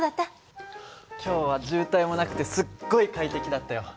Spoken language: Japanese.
今日は渋滞もなくてすっごい快適だったよ。